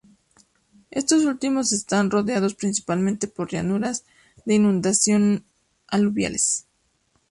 Estos últimos están rodeados principalmente por llanuras de inundación aluviales.